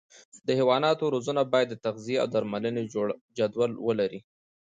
د حیواناتو روزنه باید د تغذیې او درملنې جدول ولري.